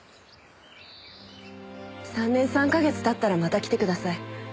３年３か月経ったらまた来てください。